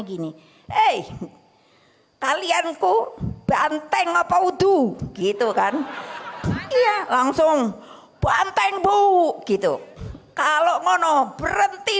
begini eh kalian ku banteng apa uduh gitu kan iya langsung banteng bu kalau nggak berhenti